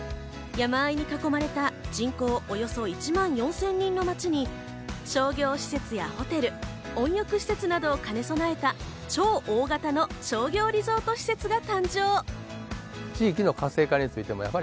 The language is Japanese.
山あいに囲まれた人口およそ１万４０００人の町に商業施設やホテル、温浴施設などを兼ね備えた超大型の商業リゾート施設が誕生。